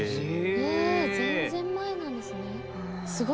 へえ全然前なんですね。